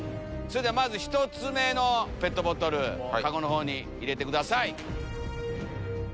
まず１つ目のペットボトルカゴのほうに入れてください。